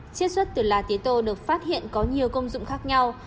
chiết xuất từ lá tế tô được phát hiện có nhiều công dụng khác nhau